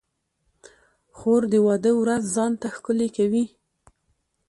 خور د واده ورځ ځان ته ښکلې کوي.